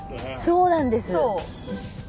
そうなんです。